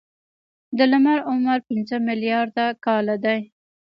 د لمر عمر پنځه ملیارده کاله دی.